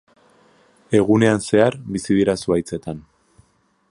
Egunean zehar bizi dira zuhaitzetan.